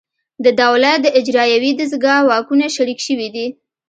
د دولت د اجرایوي دستگاه واکونه شریک شوي دي